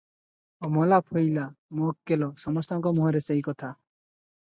ଅମଲା ଫଇଲା ମଓକ୍କେଲ ସମସ୍ତଙ୍କ ମୁହଁରେ ସେହି କଥା ।